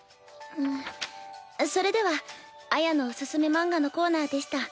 んっそれでは絢のおすすめ漫画のコーナーでした。